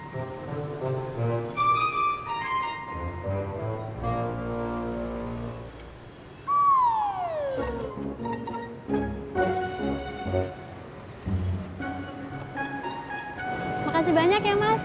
terima kasih banyak ya mas